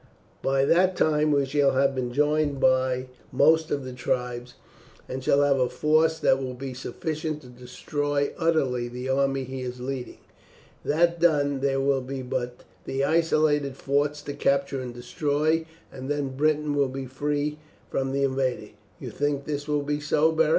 By that time we shall have been joined by most of the tribes, and shall have a force that will be sufficient to destroy utterly the army he is leading. That done, there will be but the isolated forts to capture and destroy, and then Britain will be free from the invader. You think this will be so, Beric?"